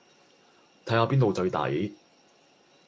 睇吓邊度最抵